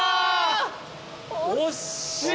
惜しい。